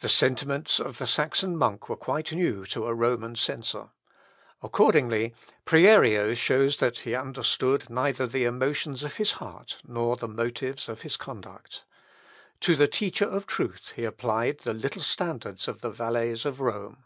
The sentiments of the Saxon monk were quite new to a Roman censor. Accordingly, Prierio shows that he understood neither the emotions of his heart, nor the motives of his conduct. To the teacher of truth he applied the little standards of the valets of Rome.